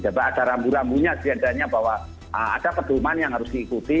ada rambu rambunya sejadinya bahwa ada pedulman yang harus diikuti